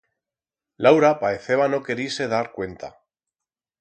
Laura paeceba no querir-se dar cuenta.